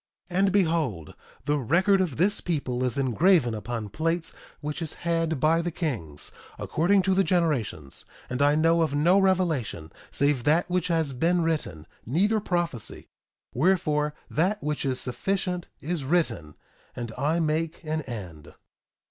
1:11 And behold, the record of this people is engraven upon plates which is had by the kings, according to the generations; and I know of no revelation save that which has been written, neither prophecy; wherefore, that which is sufficient is written. And I make an end.